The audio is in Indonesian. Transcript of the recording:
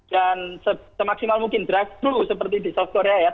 dan semaksimal mungkin drug flu seperti di south korea ya